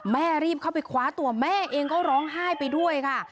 รีบเข้าไปคว้าตัวแม่เองก็ร้องไห้ไปด้วยค่ะ